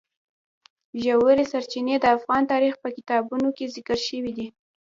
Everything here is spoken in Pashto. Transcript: ژورې سرچینې د افغان تاریخ په کتابونو کې ذکر شوی دي.